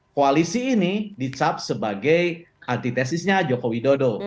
koalisi ini dicap sebagai antitesisnya joko widodo